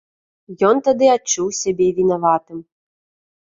Ён тады адчуў сябе вінаватым.